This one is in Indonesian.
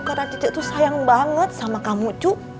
karena cucu tuh sayang banget sama kamu cu